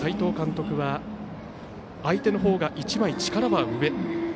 斎藤監督は相手のほうが一枚、力は上。